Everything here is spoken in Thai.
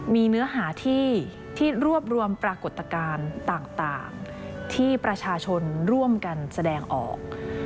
มีเนื้อหาที่รวบรวมปรากฏการณ์ต่างที่ประชาชนร่วมกันแสดงออก